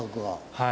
はい。